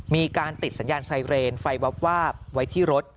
มีการติดสัญญาณไซเรนไฟวาบไว้ที่รถ